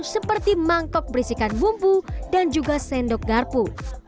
seperti mangkok berisikan bumbu dan juga sendok garpu